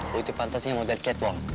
lo itu pantasnya model catwalk